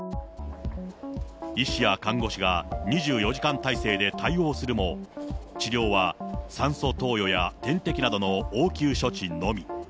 医師や看護師が２４時間態勢で対応するも、治療は酸素投与や点滴などの応急処置のみ。